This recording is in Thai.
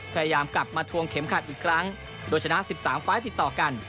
พยายามกลับมาทวงเข็มขัดอีกครั้งโดยชนะ๑๓ไฟล์ติดต่อกัน